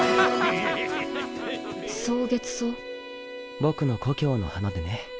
僕の故郷の花でね